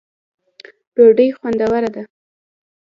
ډوډۍ خوندوره ده.